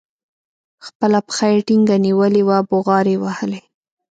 خپله پښه يې ټينګه نيولې وه بوغارې يې وهلې.